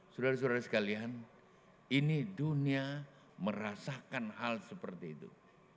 saudara saudara sekalian ini dunia merasakan hal seperti itu